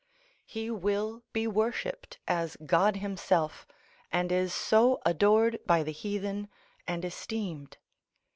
He will be worshipped as God himself, and is so adored by the heathen, and esteemed.